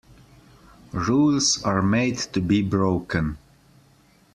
Rules are made to be broken.